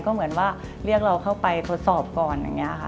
ก็เหมือนว่าเรียกเราเข้าไปทดสอบก่อนอย่างนี้ค่ะ